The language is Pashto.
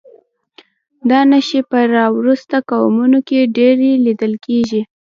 دا نښې په راوروسته قومونو کې ډېرې لیدل کېږي.